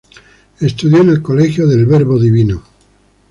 Estudio en el Colegio del Verbo Divino.